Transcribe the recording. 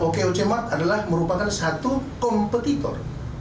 okoc mark adalah merupakan satu kompetitor